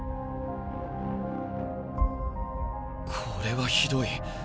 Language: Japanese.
これはひどい。